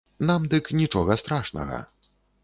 Нам дык нічога страшнага.